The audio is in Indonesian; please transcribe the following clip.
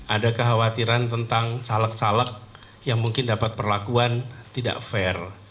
ada kekhawatiran tentang caleg caleg yang mungkin dapat perlakuan tidak fair